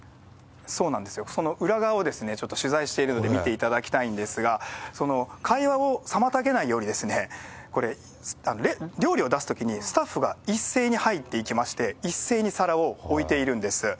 そうなんですよ、その裏側をちょっと取材しているので見ていただきたいんですが、会話を妨げないように、これ、料理を出すときに、スタッフが一斉に入っていきまして、一斉に皿を置いているんです。